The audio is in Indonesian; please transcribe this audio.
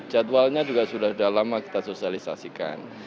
jadwalnya juga sudah sudah lama kita sosialisasikan